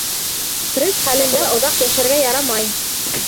Стресс хәлендә оҙаҡ йәшәргә ярамай.